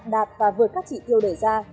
đạt và vượt các chỉ tiêu đề ra